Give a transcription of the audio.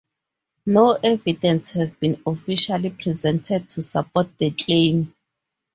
No evidence has been officially presented to support the claim.